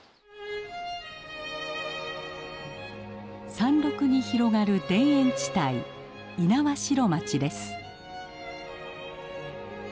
山麓に広がる田園地帯猪苗代町です。